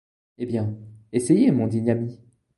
Eh bien, essayez, mon digne ami.